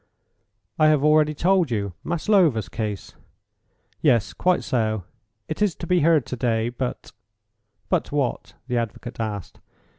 "I have already told you: Maslova's case." "Yes, quite so. It is to be heard to day, but " "But what?" the advocate asked.